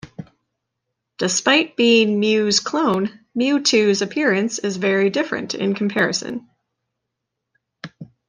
Despite being Mew's clone, Mewtwo's appearance is very different in comparison.